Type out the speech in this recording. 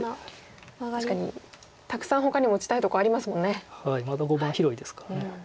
まだ碁盤広いですから。